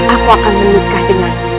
aku akan menikmati